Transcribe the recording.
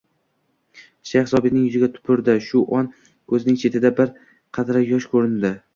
Shayx zobitning yuziga tupurdi, shu on ko`zining chetida bir qatra yosh ko`rindi